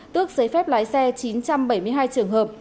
tước giấy phép lái xe chín trăm bảy mươi hai trường hợp